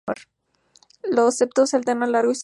Los septos se alternan largos y cortos.